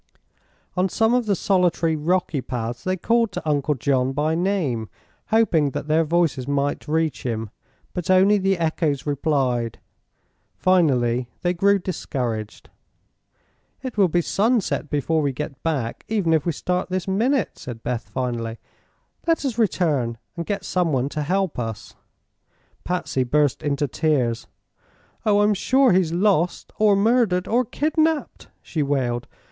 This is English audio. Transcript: On some of the solitary rocky paths they called to Uncle John by name, hoping that their voices might reach him; but only the echoes replied. Finally they grew discouraged. "It will be sunset before we get back, even if we start this minute," said Beth, finally. "Let us return, and get some one to help us." Patsy burst into tears. "Oh, I'm sure he's lost, or murdered, or kidnapped!" she wailed.